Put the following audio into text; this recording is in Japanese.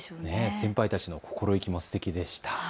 先輩たちの心意気もすてきでした。